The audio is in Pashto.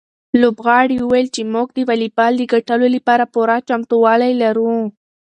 لوبغاړي وویل چې موږ د واليبال د ګټلو لپاره پوره چمتووالی لرو.